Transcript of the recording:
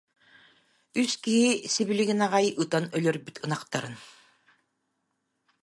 Үс киһи сибилигин аҕай ытан өлөрбүт ынахтарын